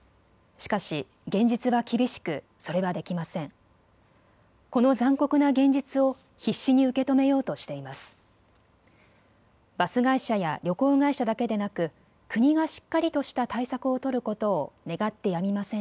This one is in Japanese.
しかし現実は厳しくそれはできません。